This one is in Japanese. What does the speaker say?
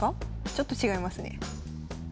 ちょっと違いますね。